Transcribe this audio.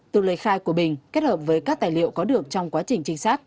từ lời khai của bình kết hợp với các tài liệu có được trong quá trình trinh sát